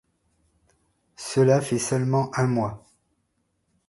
Cela fait seulement un mois.